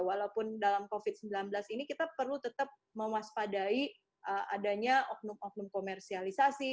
walaupun dalam covid sembilan belas ini kita perlu tetap mewaspadai adanya oknum oknum komersialisasi